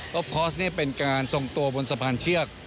คอร์สเป็นการทรงตัวบนสะพานเชือก